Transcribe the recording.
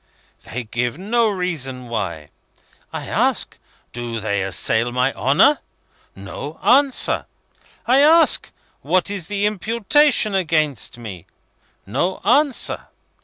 They give no reason why. I ask, do they assail my honour? No answer. I ask, what is the imputation against me? No answer.